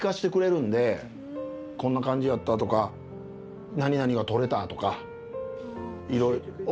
こんな感じやった！とか何々が取れた！とか。